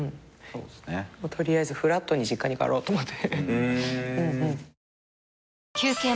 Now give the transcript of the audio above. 取りあえずフラットに実家に帰ろうと思って。